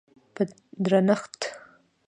په درنښت